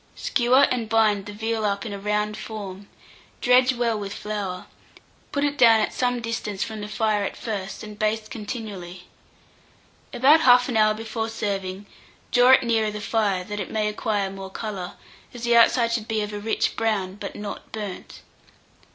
Skewer and bind the veal up in a round form; dredge well with flour, put it down at some distance from the fire at first, and baste continually. About 1/2 hour before serving, draw it nearer the fire, that it may acquire more colour, as the outside should be of a rich brown, but not burnt.